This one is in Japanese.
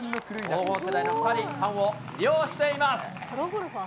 黄金世代のファンを魅了しています。